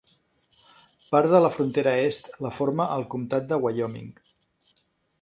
Part de la frontera est la forma el comtat de Wyoming.